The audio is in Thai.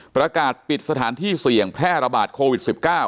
ประกาศปิดสถานที่เสี่ยงแพร่ระบาดโควิด๑๙